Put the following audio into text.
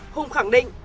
hùng khẳng định